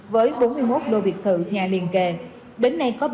với bốn mươi một lô việt thự nhà liền kề